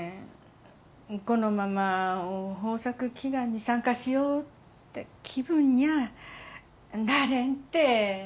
このまま豊作祈願に参加しようって気分にゃなれんて。